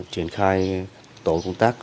triển khai tổ công tác